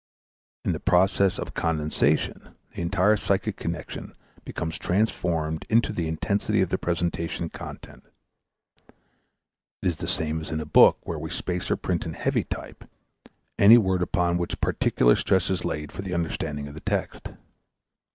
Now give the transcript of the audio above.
In the process of condensation the entire psychic connection becomes transformed into the intensity of the presentation content. It is the same as in a book where we space or print in heavy type any word upon which particular stress is laid for the understanding of the text.